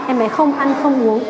em bé không ăn không uống